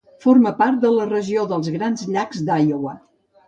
Forma part de la regió dels Grans Llacs d'Iowa.